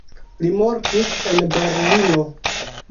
Li mortis en Berlino.